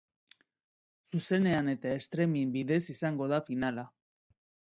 Zuzenean eta streaming bidez izango da finala.